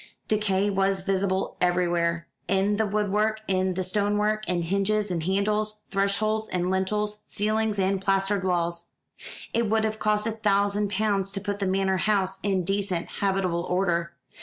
Decay was visible everywhere in the wood work, in the stone work, in hinges and handles, thresholds and lintels, ceilings and plastered walls. It would have cost a thousand pounds to put the manor house in decent habitable order.